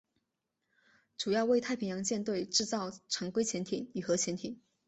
主要为太平洋舰队制造常规潜艇与核潜艇。